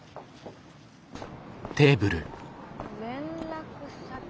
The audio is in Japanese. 連絡先？